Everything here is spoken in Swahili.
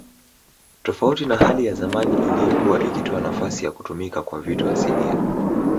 Tofauti na hali ya zamani iliyokuwa ikitoa nafasi ya kutumika kwa vitu asilia